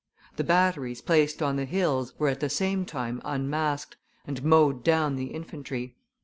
The batteries placed on the hills were at the same time unmasked, and mowed down the infantry.